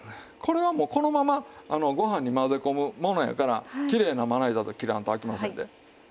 これはもうこのままご飯に混ぜ込むものやからきれいなまな板で切らんとあきませんで。